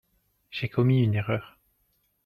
J'ai commis une erreur.